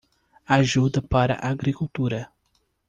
Ajuda para agricultura